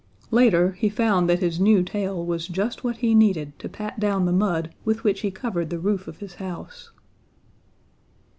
Later, he found that his new tail was just what he needed to pat down the mud with which he covered the roof of his house.